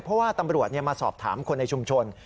เพราะว่าตำรวจมาสอบถามคนในชุมชน